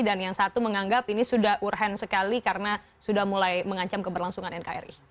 dan yang satu menganggap ini sudah urhen sekali karena sudah mulai mengancam keberlangsungan nkri